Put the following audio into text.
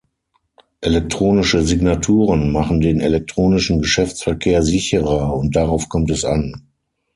Elektronische Signaturen machen den elektronischen Geschäftsverkehr sicherer, und darauf kommt es an.